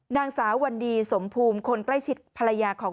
นางสาววันดีสมภูมิคนใกล้ชิดภรรยาของ